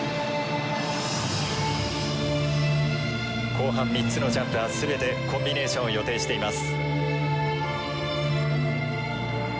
後半３つのジャンプは全てコンビネーションを予定しています。